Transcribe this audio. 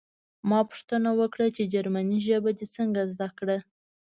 ما پوښتنه وکړه چې جرمني ژبه دې څنګه زده کړه